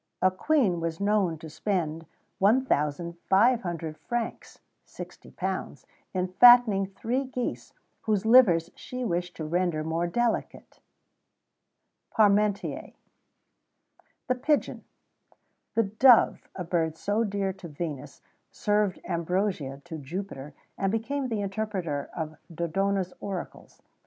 A Queen was known to spend 1,500 francs (£60) in fattening three geese, whose livers she wished to render more delicate." PARMENTIER. THE PIGEON. The dove, a bird so dear to Venus,[XVII 81] served ambrosia to Jupiter,[XVII 82] and became the interpreter of Dodona's oracles.